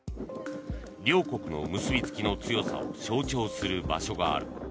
両国の結びつきの強さを象徴する場所がある。